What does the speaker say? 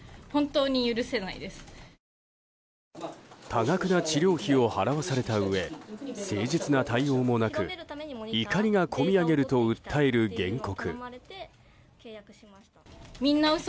多額な治療費を払わされたうえ誠実な対応もなく怒りが込み上げると訴える原告。